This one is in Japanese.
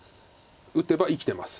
打てば生きてます。